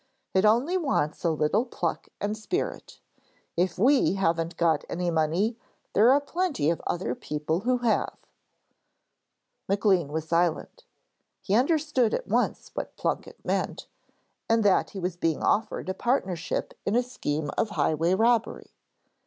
It only wants a little pluck and spirit! If we haven't got any money, there are plenty of other people who have.' Maclean was silent. He understood at once what Plunket meant, and that he was being offered a partnership in a scheme of highway robbery.